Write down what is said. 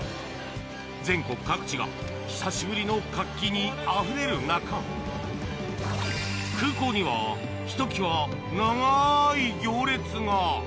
全国各地が久しぶりの活気にあふれる中空港にはひと際、長い行列が。